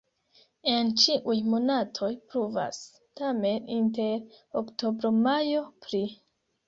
En ĉiuj monatoj pluvas, tamen inter oktobro-majo pli.